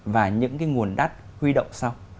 và những cái nguồn đắt huy động sau